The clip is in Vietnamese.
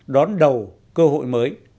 đón đầu cơ hội mới